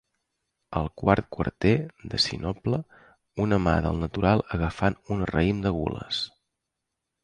Al quart quarter, de sinople, una mà del natural agafant un raïm de gules.